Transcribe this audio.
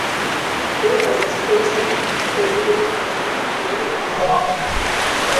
Weewale ekifo ekirimu ebireekaana ng'owuliriza.